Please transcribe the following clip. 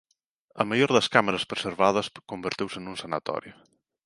A maior das cámaras preservadas converteuse nun sanatorio.